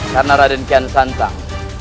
dan kiana santang